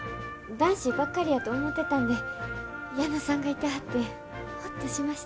男子ばっかりやと思ってたんで矢野さんがいてはってホッとしました。